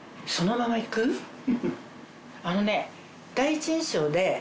あのね。